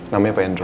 namanya pak hendro